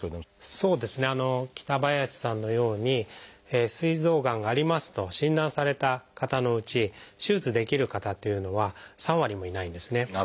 そうですね北林さんのようにすい臓がんがありますと診断された方のうち手術できる方っていうのは３割もいないんですね。